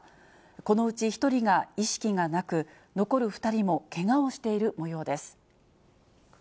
このうち１人が意識がなく、残る２人もけがをしているもようです。